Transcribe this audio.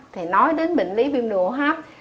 thì nói đến bệnh lý viêm nụ hấp